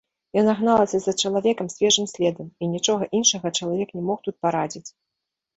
Яна гналася за чалавекам свежым следам, і нічога іншага чалавек не мог тут парадзіць.